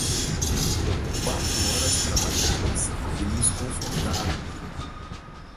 Quatro horas trabalhadas e nos confrontaram.